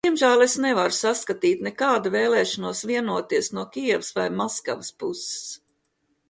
Diemžēl es nevaru saskatīt nekādu vēlēšanos vienoties no Kijevas vai Maskavas puses.